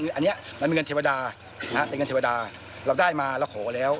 คืออันนี้มันมีเงินเทวดาเราได้มาเราขอแล้ว